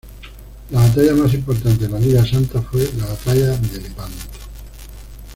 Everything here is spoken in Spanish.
La batalla más importante de la Liga Santa fue la batalla de Lepanto.